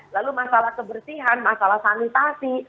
lalu masalah kebersihan masalah sanitasi